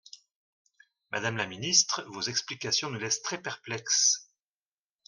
Madame la ministre, vos explications nous laissent très perplexes.